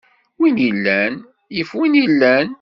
Win illan, yif win ilan.